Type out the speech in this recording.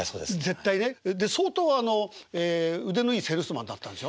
絶対ね。で相当腕のいいセールスマンだったんでしょ？